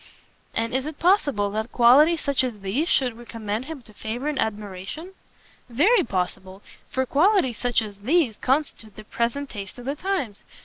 "And is it possible that qualities such as these should recommend him to favour and admiration?" "Very possible, for qualities such as these constitute the present taste of the times.